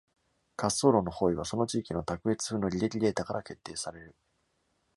滑走路の方位は、その地域の卓越風の履歴データから決定される。